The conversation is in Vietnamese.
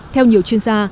theo nhiều chuyên gia